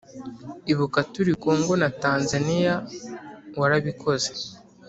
ibuka turi congo na tanzania warabikoze